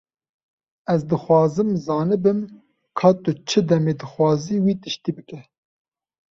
Ez dixwazim zanibim ka tu çi demê dixwazî wî tiştî bike.